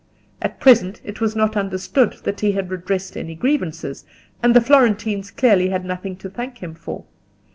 At present it was not understood that he had redressed any grievances; and the Florentines clearly had nothing to thank him for.